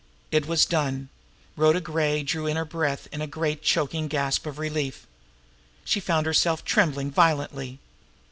It was done now. Rhoda Gray drew in her breath in a great choking gasp of relief. She found herself trembling violently.